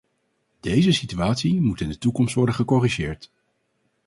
Deze situatie moet in de toekomst worden gecorrigeerd.